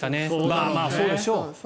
まあまあ、そうでしょう。